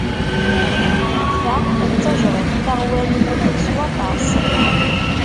Ta d tajṛut taɣwalit s waṭas.